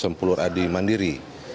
sempulur adi mandiri